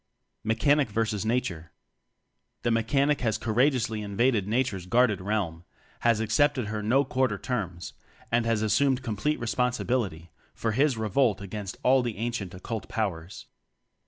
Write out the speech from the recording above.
Mechanic vs. Nature The Mechanic has courageously in vaded Nature's guarded realm; has ac cepted her "no quarter" terms; and has assumed complete responsibility for his revolt against all the ancient Occult Powers.